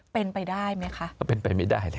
เป็นไปได้ไหมคะ